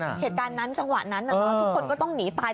เหตุการณ์นั้นจังหวะนั้นทุกคนก็ต้องหนีตาย